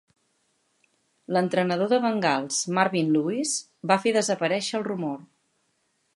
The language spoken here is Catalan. L'entrenador de Bengals, Marvin Lewis, va fer desaparèixer el rumor.